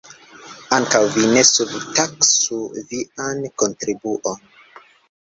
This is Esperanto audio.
Ankaŭ vi ne subtaksu vian kontribuon.